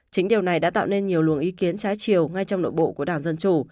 chính điều này đã tạo nên nhiều luồng ý kiến trái chiều ngay trong nội bộ của đảng dân chủ